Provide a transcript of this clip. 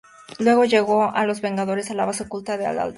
Luego llevó a los Vengadores a la base oculta del Alto Evolucionador.